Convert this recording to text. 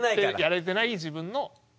やれてない自分の２０点。